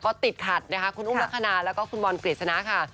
ก็ติดขัดนะคะคุณอุ้มลักษณาแล้วก็คุณมอนเกรียดศนาค่ะ